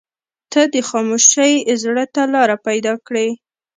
• ته د خاموشۍ زړه ته لاره پیدا کړې.